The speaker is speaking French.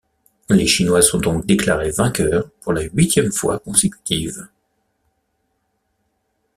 Les chinois sont donc déclarés vainqueurs pour la huitième fois consécutive.